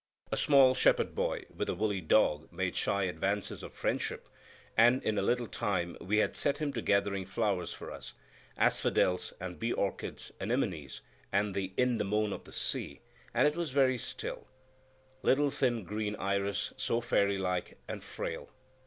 A small shepherd boy, with a woolly dog, made shy advances of friendship, and in a little time we had set him to gathering flowers for us: asphodels and bee orchids, anemones, and the little thin green iris so fairylike and frail.